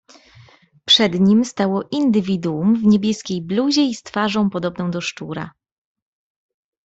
"Przed nim stało indywiduum w niebieskiej bluzie, z twarzą podobną do szczura."